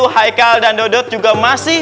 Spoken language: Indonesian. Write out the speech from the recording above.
haikal dan dodot juga masih